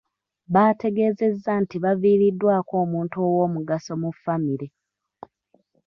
Baategeezezza nti baviiriddwako omuntu owoomugaso mu ffamire.